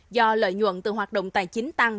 do lợi nhuận từ hoạt động tài chính tăng